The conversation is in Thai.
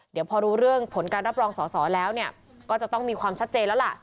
เดี๋ยวพอรู้เรื่องผลการรับรองสอสอแล้วก็จะต้องมีความชัดเจนแล้วล่ะ